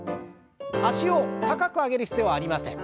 脚を高く上げる必要はありません。